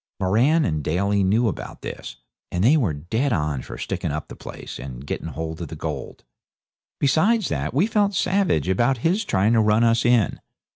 Moran and Daly knew about this, and they were dead on for sticking up the place and getting hold of the gold. Besides that, we felt savage about his trying to run us in.